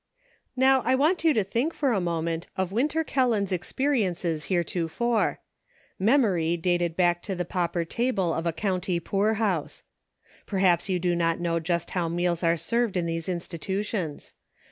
Now I want you to think for a moment of Win ter Kelland's experiences heretofore. Memory dated back to the pauper table of a county poor house. Perhaps you do not know just how meals are served in those institutions.